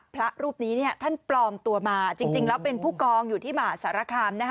พระรูปนี้เนี่ยท่านปลอมตัวมาจริงจริงแล้วเป็นผู้กองอยู่ที่หม่าสารคามนะฮะ